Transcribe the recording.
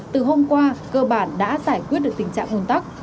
từ hôm qua cơ bản đã giải quyết được tình trạng ồn tắc